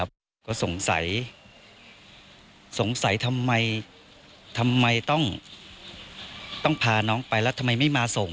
ผมสงสัยทำไมต้องพาน้องไปและไม่มาส่ง